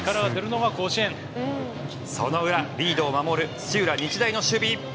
その裏、リードを守る土浦日大の守備。